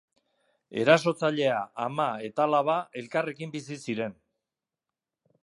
Erasotzailea, ama eta alaba elkarrekin bizi ziren.